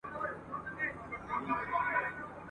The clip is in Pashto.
نو د سپیو لارښووني ته محتاج سي !.